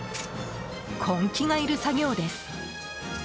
根気がいる作業です。